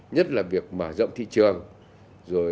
nhất là việc mở rộng thị trường